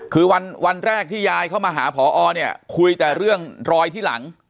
คือวันแรกที่ยายเข้ามาหาพอเนี่ยคุยแต่เรื่องรอยที่หลัง